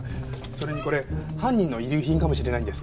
それにこれ犯人の遺留品かもしれないんです。